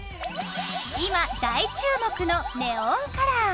今大注目のネオンカラー。